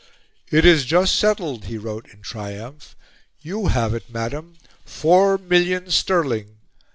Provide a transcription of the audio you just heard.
"It is just settled," he wrote in triumph; "you have it, Madam... Four millions sterling!